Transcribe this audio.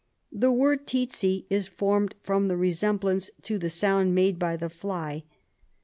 The word Tsetse is formed from the resemblance to the sound made by the fly.